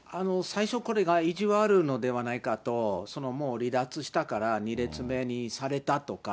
最初、これが意地悪ではないかと、もう離脱したから、２列目にされたとか。